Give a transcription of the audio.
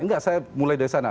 enggak saya mulai dari sana